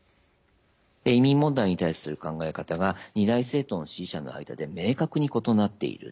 移民問題に対する考え方が二大政党の支持者の間で明確に異なっている。